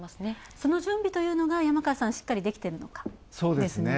その準備というのが山川さん、しっかりできているのかですね。